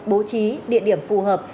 bố trí địa điểm phù hợp